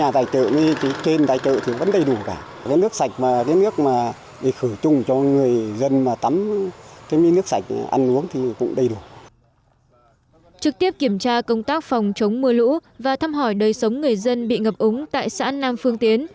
trước tiết kiểm tra công tác phòng chống mưa lũ và thăm hỏi đời sống người dân bị ngập ống tại xã nam phương tiến